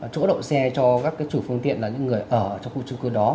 chỗ đậu xe cho các chủ phương tiện là những người ở trong khu trung cư đó